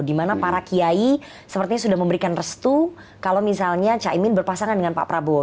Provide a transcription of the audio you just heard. dimana para kiai sepertinya sudah memberikan restu kalau misalnya caimin berpasangan dengan pak prabowo